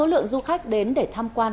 và số lượng du khách đến để tham quan